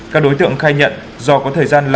các đối tượng khai nhận do có thời gian